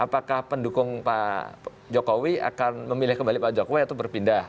apakah pendukung pak jokowi akan memilih kembali pak jokowi atau berpindah